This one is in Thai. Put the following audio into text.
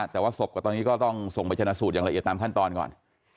แต่ว่าศพกับตอนนี้ก็ต้องส่งไปชนะสูตรอย่างละเอียดตามขั้นตอนก่อน